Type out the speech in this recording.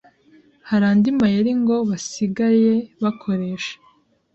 Hari andi mayeri ngo basigaye bakoresha,